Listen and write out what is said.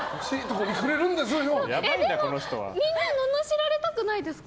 でも、みんなののしられたくないですか？